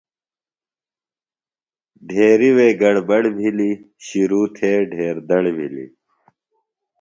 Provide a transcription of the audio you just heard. ڈھیریۡ وے گڑ بڑ بِھلیۡ، شِروۡ تھے ڈہیر دڑ بِھلیۡ